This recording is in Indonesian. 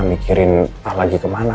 mikirin al lagi kemana